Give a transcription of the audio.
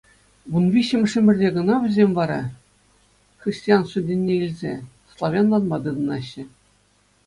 Вунвиҫҫӗмӗш ӗмӗрте кӑна вӗсем вара, христианство тӗнне илсе, славянланма тытӑнаҫҫӗ.